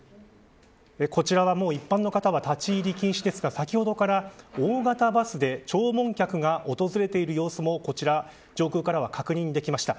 こちらはもう一般の方は立ち入り禁止ですが先ほどから大型バスで弔問客が訪れている様子も上空からは確認できました。